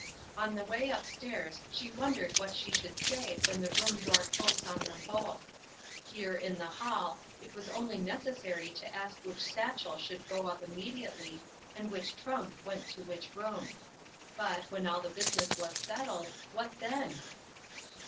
On the way up stairs she wondered what she should say when the room door closed on them both. Here, in the hall, it was only necessary to ask which satchel should go up immediately, and which trunk went to which room. But, when all the business was settled, what then